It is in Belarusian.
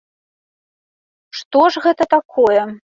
Што ж гэта такое?